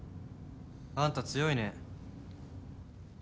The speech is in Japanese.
・あんた強いね。